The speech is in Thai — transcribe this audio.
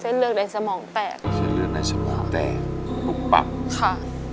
ฉันเลือกในสมองแตกฉันเลือกในสมองแตกลูกปั๊บค่ะ